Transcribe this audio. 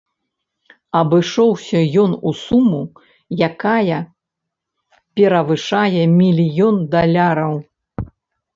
Абышоўся ён у суму, якае перавышае мільён даляраў.